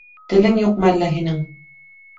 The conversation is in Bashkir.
Телең юҡмы әллә һинең?